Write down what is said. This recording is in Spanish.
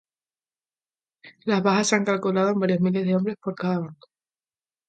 Las bajas se han calculado en varios miles de hombres por cada bando.